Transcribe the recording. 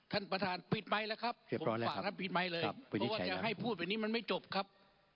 ท่านประธานปิดไมค์ละครับเพราะว่าอยากให้พูดแบบนี้มันไม่จบครับ